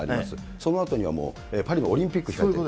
そのあとにはもう、パリのオリンピックが控えている。